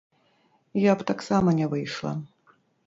Я б таксама не выйшла.